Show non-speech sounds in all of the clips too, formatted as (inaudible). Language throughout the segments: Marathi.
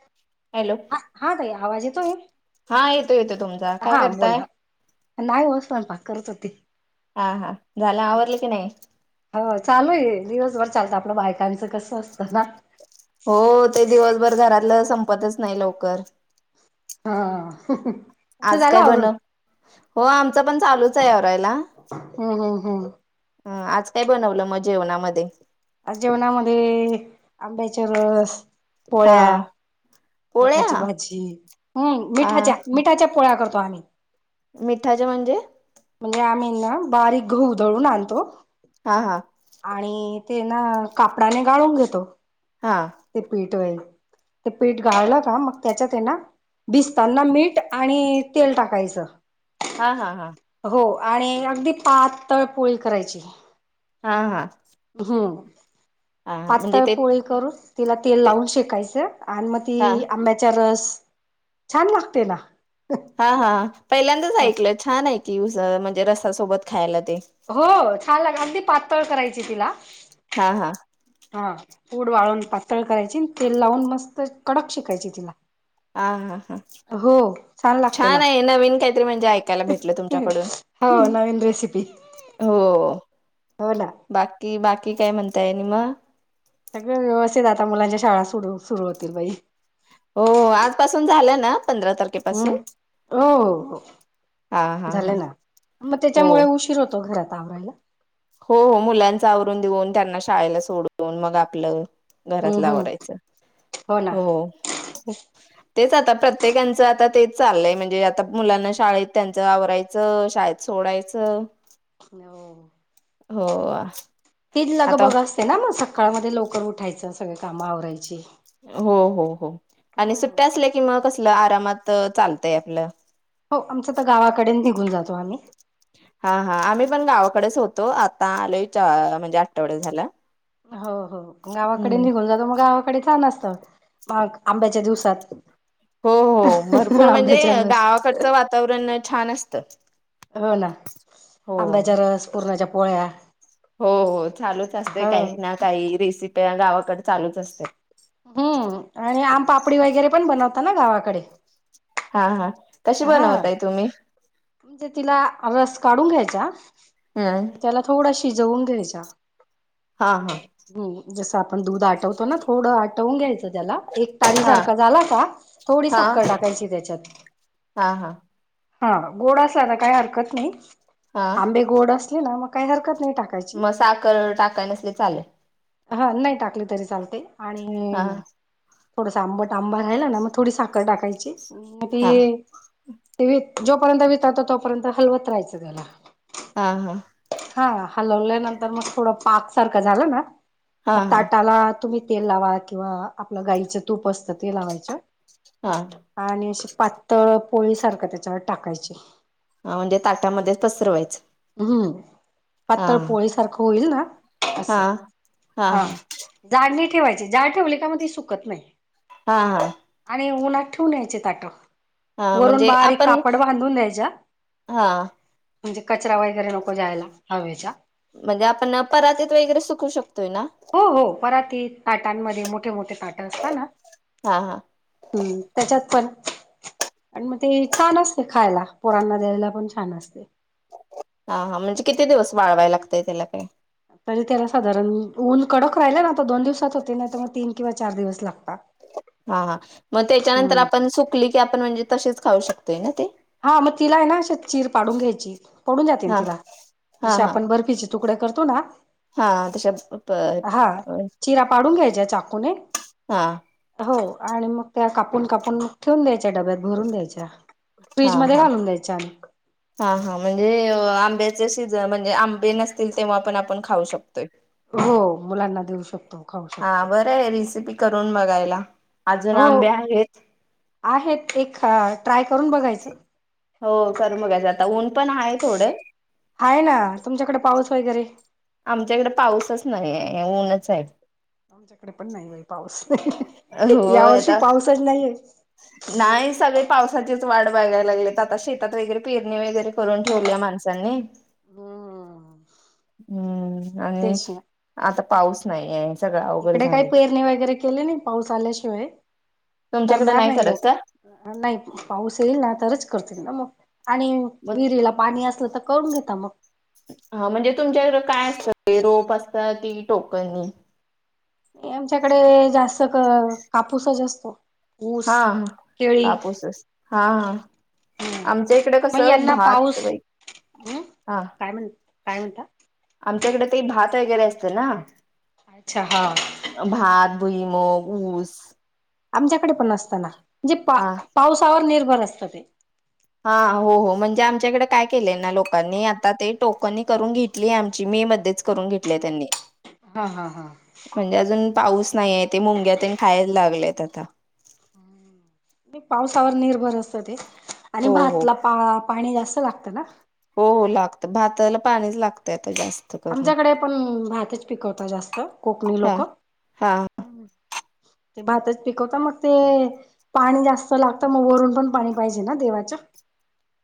(inaudible) हॅलो हा हा ताई आवाज येतोय हा येतो येतो तुमचा काय हा करताय. बोला नाही हो स्वयंपाक करत होती. हा हा झालं आवरलं की नाही हो चालू आहे दिवस र चालत आपलं बायकांच. हो ते दिवसभर घरातलं संपतच नाही लवकर हा. आज झालं काय बन आवरून हो आमचं पण चालूच आहे आवरायला. हो. ह आज काय बनवलं मग जेवणामध्ये आज जेवणामध्ये आंब्याचा रस हा पोळ्या पोळ्या मठाची भाजी हम्म हा मिठाच्या मिठाच्या पोळ्या करतो आम्ही मिठाचे म्हणजे? म्हणजे आम्ही ना बारीक गहू दळून आणतो हा हा आणि ते ना कापडाने गाळून घेतो हा ते पीठ वल ते पीठ गाळलं का मग त्याच्यात भिजताना मीठ आणि तेल टाकायचं. हा हा हा. हो आणि अगदी पातळ पोळी करायची. हा हा. हम्म हा हा म्हणजे पातळ ते पोळी करून तिला तेल ते लावून शेकायचं. आणि मग हा ती आंब्याचा रस छान लागते ना हा हा पहिल्यांदाच ऐकलं छान आहे की म्हणजे रसासोबत खायला. ते हो छान लागत अगदी पातळ करायची तिला हा हा. हा पूड वाळून पातळ करायची तेल लावून मस्त कडक शेकायचं तिला आ हा हा हा हो लागते ना छान आहे नवीन काहीतरी म्हणजे ऐकायला भेटलं तुमच्याकडून. हो नवीन रेसिपी हो हो ना बाकी बाकी काय म्हणताय नि मग. सगळे व्यवस्थित आता मुलांच्या शाळा सुरू सुरू होतील बाई. हो आजपासून झाल्या ना? पंधरा हम्म तारखेपासून हो हो हो. हा हा हा झालं ना मग हो त्याच्यामुळे उशीर होतो घरात आवरायला. हो हो मुलांच आवरून देऊन त्यांना शाळेला सोडून मग आपलं घरात हम्म हम्म लावरायचं. हो तेच आता प्रत्येकांचं आता ते चाललंय म्हणजे आता मुलांना शाळेत त्यांचं आवरायचं शाळेत सोडायचं. हो. हो. ती लग आता बघ असते ना मग सकाळमध्ये लवकर उठायचं सगळे कामं आवरायची हो हो हो आणि हम्म सुट्ट्या असल्या कि म कसलं आरामात चालतय आपलं. हो आमचं तर गावाकडे निघून जातो आम्ही हा हा आम्ही पण गावाकडेच होतो आता आलो म्हणजे आठवड्या झाला. हो हो गावाकडे हम्म निघून जातो मग गावा गावाकडे छान असत मग आंब्याच्या दिवसात हो हो भरपूर म्हणजे आंब्याचा रस गावाकडचं वातावरण छान असत. हो ना आंब्याच्या रस पुरणाच्या पोळ्या हो चालूच असते हो काही ना काही रेसिपी गावाकडे चालूच असते. कापडी वगैरे पण बनवता ना गावाकडे हा हा कशी हा बनवताय तुम्ही. म्हणजे तिला रस काढून घ्यायचा हम्म. त्याला थोडा शिजवून घ्यायच्या हा हा. जसं आपण दूध आटवतो ना थोडं आटवून घ्यायचं त्याला एक तारी हा सारखा झाला का थोडी हा साखर टाकायची त्याच्यात हा हा. हा गोड असला ना काही हरकत नाही हा आंबे गोड असले ना मग काही हरकत नाही. टाकायची मग साखर टाकाय नसली चालेल. हा नाही टाकली तरी चालते आणि हा थोडस आंबट आंबा राहिला ना मग थोडी साखर टाकायची मग हा ते ते जोपर्यंत विचारतो तोपर्यंत हलवत राहायचं त्याला. हा हा हा हलवल्यानंतर मग थोडं पाक सारखं झालं ना हा मग हा ताटाला तुम्ही तेल लावा किंवा आपलं गाईीचं तूप असतं ते लावायच हा आणि असे पातळ पोळी सारखं त्याच्यावर टाकायचे हा म्हणजे ताट्यामध्ये पसरवायचं हम्म हा पातळ पोळी सारखं होईल ना हा असं हा जाड नाही ठेवायची जाड ठेवली का मग ती सुकत नाही हा हा आणि नार ठऊूनचे त्याटो हा वरून म्हणजे बारीक आपण कापड बांधून द्यायच्या हा म्हणजे कचरा वगैरे नको जा्यायला हवेच्या म्हणजे आपण परातीत वगैरे सुकू शकतोय ना हो हो परात ताटांमध्ये मोठे मोठे ताट असतात ना हा हा हम्म त्याच्यात पण आणि मग ते छान असते खायला पोरांना द्यायला पण छान असते हा हा म्हणजे किती दिवस वाळवाय लागतय त्याला काही तरी त्याला साधारण ऊन कडक राहिला ना तर दोन दिवसात होते नाही तर मग तीन किंवा चार दिवस लागत हा हा मग त्याच्यानंतर आपण सुकली की आपण म्हणजे तसेच खाऊ शकतोय ना ते हा मग तिला आहे ना अ चचीर पाडून घ्यायची पडून जाते ना हा तिला हा जसे हा आपण बर्फीचे तुकडे करतो ना हा तशा प हा चिरा पाडून घ्यायच्या चाकूने हा हो आणि मग त्या कापून कापून ठेवून द्यायच्या डब्यात भरून द्यायच्या हा फ्रीज मध्ये हा घालून द्यायच्या आणि हा हा म्हणजे आ आंब्याचे सीजन म्हणजे आंबे नसतील तेव्हा पण आपण खाऊ शकतोय हो मुलांना देऊ शकतो खाऊ हा शकतो. बरं आहे रेसिपी करून बघायला अजून हो आंबे आहेत आहेत एक ट्राय करून बघायचं हो कर बघायचं आता ऊन पण आहे थोडं हाय ना तुमच्याकडे पाऊस होयैरे आमच्याकडे पाऊसच नाही ऊनच आहे आमच्याकडे पण नाही बाई पाऊस हो नाही यावर्षी आता पाऊसच नाहीये नाही सगळे पावसाचीच वाढ बगायला लागली आता शेतात वगैरे पेरणी वगैरे करून ठेव माणसांनी हम्म हम्म आणि तेच ना आता पाऊस नाही आहे सगळं अवघड इकडे काही झालंय पैरणी वगैरे केले नाही पाऊस आल्याशिवाय तुमच्याकडे करणार नाही करत लोक का? नाही पाऊस येईल ना तरच करतील ना मग आणि मग विहिरीला पाणी असलं तर करून घेता मग (unintelligible) हा म्हणजे तुमच्याक काय असतं रोप असत ती टोकनी आमच्याकडे जास्त क कापूसच असतो ऊस. हा केळी कापूसस हा हा हम्म आमच्या इकडे मग कसं यांना पाऊस भातई हम्म हा काय म्हण काय म्हणता आमच्याकडे त भात वगैरे असते ना अच्छा हा भात भुई मग ऊस आमच्याकडे पण नतना म्हणजे पा हा पावसावर निर्भर असत ते हा हो हो म्हणजे आमच्याकडे काय केलंय ना लोकांनी आता ते टोकन करून घेतली आमची मी मध्ये करून घेतले त्यां हा हा हा पाऊस नाहीय ते मुंग्यात खायला लागलेत आता पावसावर निर्भर असत ते आणि हो हो भातला पा पाणी जास्त लागते ना? हो हो लागत भाताला पाणीच लागतय. आमच्याकडे पण भातच पिकवत जास्त कोकणी हा लोक हा ते भातच पिकवत मग ते पाणी जास्त लागतं मग वरून पण पाणी पाहिजे ना देवाच.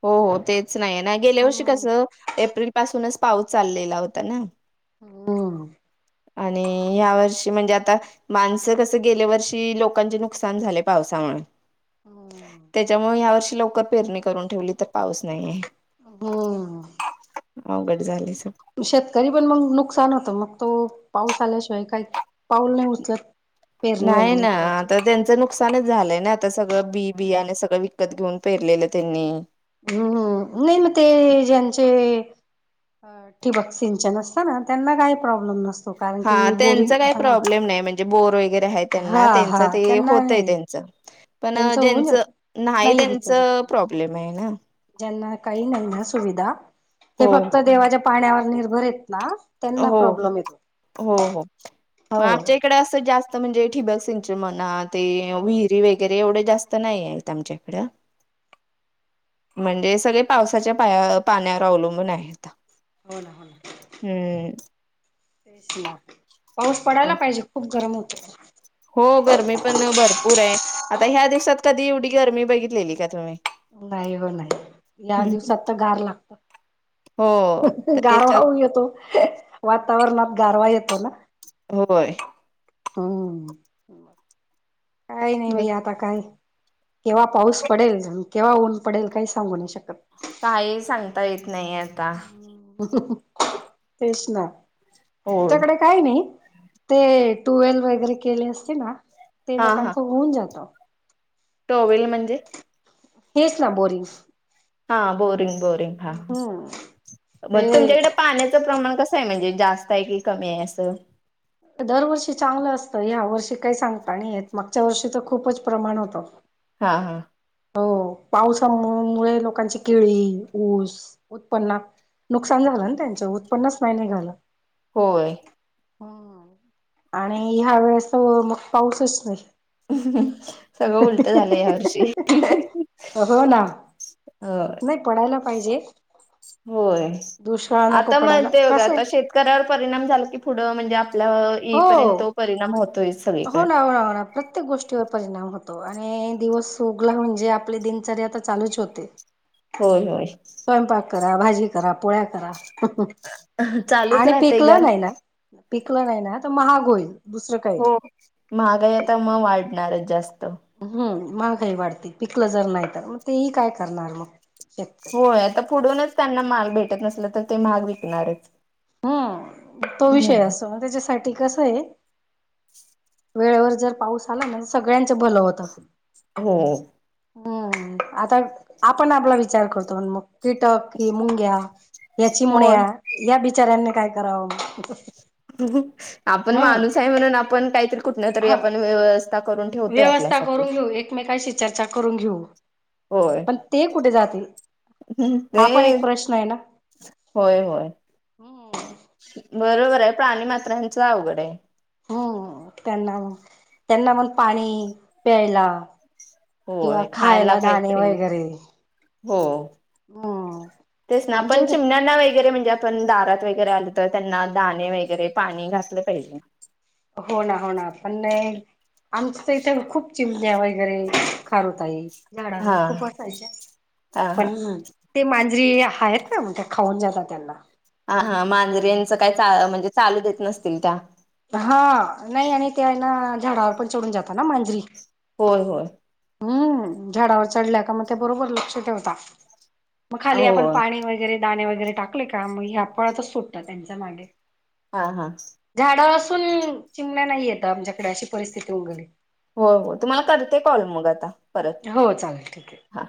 हो हो तेच नाही ना गेल्या वर्षी हम्म कसं एप्रिल पासूनच पाऊस चाललेला होता ना! (unintelligible) आणि ह्या वर्षी म्हणजे आता माणसं कसं गेल्या वर्षी लोकांचे नुकसान झाले पावसामुळे. त्याच्यामुळ या वर्षी लवकर पेरणी करून ठेवली तर पाऊस नाही आहे. हम्म अवघड झाले सग शेतकरी पण मग नुकसान होतं मग तो पाऊस आल्याशिवाय काही पाऊल नाही उचलत. पेरणी नाही वगैरे ना करायची आता त्यांचं नुकसानच झालंय ना आता सगळं बी बि आणि सगळं विकत घेऊन, पेरलेलं त्यांनी हम्म नाही मग ते ज्यांचे अ ठिबक सिंचन असत ना त्यांना काही प्रॉब्लेम नसत. हा त्यांचा काही प्रॉब्लेम नाही म्हणजे बोर वगैरे आहे त्यांना हा त्यांच हा ते त्यांना होतय नाही त्यांच पण त्यांचं होऊन ज्यांचं जात नाही त्यांच प्रॉब्लेम आहे ना! ना काही नाही सुधा हो फक्त हो देवाच्या पाण्यावर निर्भर आहेत. ना त्यांना हो प्रॉब्लेम येतो हो हो हो मग आमच्या हो इकडे असं जास्त म्हणजे, ठी बक सिंचरी म्हणा ते विहिरी वगैरे, एवढे जास्त नाही आहेत आमच्याइकडं. म्हणजे सगळे पावसाच्या पाया पाण्यावर अवलंबून आहेत. हो ना! हो ना! हम्! तेच ना पाऊस पडायला पाहिजे खूप गरम होत. हो गरमी पण भरपूर आहे. आता ह्या दिवसात कधी एवढी गरमी बघितलेली का तुम्ही? नाही हो नाही या दिवसात तर गार लागत. हो तर गारवा त्याच्यात येतो वातावरणात गारवा येतो ना? होय! हम्म काही नाही बाई आता काय केव्हा पाऊस पडेल, केव्हा ऊन पडेल, काही सांगू नाही शकत. काही सांगता येत नाही आता. तेच ना! होय तुमच्याकडे काय नाही? ते टुवेल वगैरे केले असते ना ते लोकांचं होऊन जात. टोवल. हेच ना बोरिंग. हा बोरिंग बोरिंग हा हम्म मग ते तुमच्याकडे पाण्याचं प्रमाण कस आहे म्हणजे जास्त आहे की कमी आहे असं दरवर्षी चांगलं असतं ह्या वर्षी काही सांगता आणि मागच्या वर्षीच खूपच प्रमाण होतं. हा हा (inaudible) हो पावसा मु लोकांची केळी ऊस उत्पन्नात नुकसान झालं ना त्यांच उत्पन्नच नाही नाही झालं. होय. हम आणि ह्या वेळेस मग पाऊसच नाही. सगळं उलट झालं या वर्षी, हो ना हो नाही पडायला पाहिजे. होय दुष्काळ नको आता पडायला म्हणते बघ कसं आहे आता शेतकऱ्यावर परिणाम झाला की पुढं म्हणजे आप हो सगळीकडे हो ना हो ना हो ना प्रत्येक गोष्टीवर परिणाम होतो आणि दिवस उगला म्हणजे आपली दिनचर्या तर चालूच होते. होय होय. स्वयंपाक करा भाजी करा पोळ्या करा. चालूच आणि राहतय पिकलं घर नाही ना पिकलं नाही ना तर महाग होईल. दुसरं काही हो महागाई आता मग वाढणारच जास्त. हम्म महागाही वाढते पिकलं जर नाही तर मग तेही काय करणार मग. शेतकरी होय आता पुढूनच त्यांना माग भेटत नसलं तर ते महाग विकणारच. हम् तो हो विषय असो मग त्याच्यासाठी कस आहे. वेळेवर जर पाऊस आला ना तर सगळ्यांचं भलं होत. हो. हम्म आता आपण आपला विचार करतो मग. कीटक हि मुंग्या या होय. चिमण्या या बिचाऱ्यांनी काय करावं. आपण ह माणूस आहे म्हणून आपण काहीतरी कुठ तरी ह आपण व्य. व्यवस्था करून घेऊ एकमेकशी चर्चा करून घेऊ. पण ते कुठे जातील. हम् ते हा पण एक प्रश्न आहे ना होय होय. बरोबर आहे प्राणी मात्रांचं अवघड आहे. हम्म त्यांना मग त्यांना मण पाणी प्यायला. किंवा होय खायला दाणे काहीतरी वगैरे. हो हम्म तेच ना आमच्या पण इथे चिमण्यांना वगैरे म्हणजे आपण दारात वग. वगैरे आलं तर त्यांना दाणे वगैरे पाणी घातले पाहिजे. हो ना हो ना पण नाही आमच इथे खूप चिम द्यावायची. झाडवर हा खप असाय हा हा पण मा. स्त्री आहेत आहेत का म्हण खाऊन जातात त्यांना. हा हा मांजरे यांचं काय म्हणजे चालू देत नसतील त्या. हा नाही आणि ते आहे ना झाडावर पण चढून जाता ना मांजरी. होय होय. हम्म झाडावर चढल्या का मग ते बरोबर लक्ष ठेवता. मग खाली आपण होय पाणी वगैरे दाणे वगैरे टाकले का मग ह फळातच सुटत त्यांच्या मागे हा हा. ून चिमण्या नाही येतं आमच्याकडे अशी परिस्थिती उंगली हो हो तुम्हाला करते कॉल मग आता परत हो चालेल ठीक आहे. हा